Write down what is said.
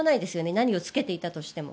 何をつけていたとしても。